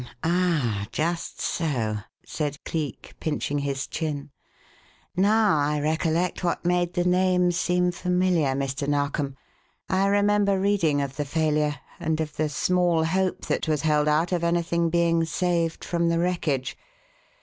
"Hum m m! Ah! Just so!" said Cleek, pinching his chin. "Now I recollect what made the name seem familiar, Mr. Narkom. I remember reading of the failure, and of the small hope that was held out of anything being saved from the wreckage.